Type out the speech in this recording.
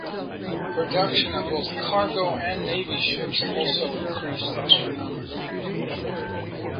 Production of both cargo and Navy ships also increased astronomically.